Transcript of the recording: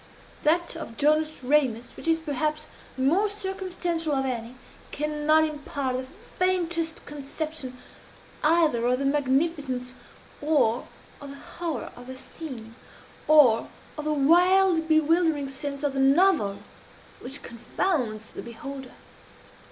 That of Jonas Ramus, which is perhaps the most circumstantial of any, cannot impart the faintest conception either of the magnificence or of the horror of the scene or of the wild bewildering sense of the novel which confounds the beholder.